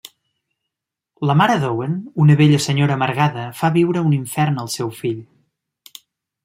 La mare d'Owen, una vella senyora amargada fa viure un infern al seu fill.